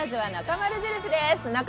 まずは、なかまる印です。